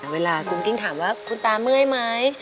เวลาคุณกิ้งถามว่าคุณตาเมื่อยไหม